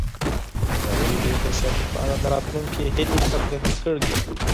ازادي راډیو د سیاست په اړه د راتلونکي هیلې څرګندې کړې.